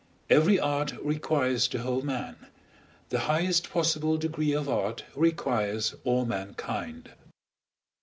Every art requires the whole man; the highest possible degree of art requires all mankind.